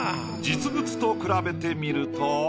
実物と比べてみると。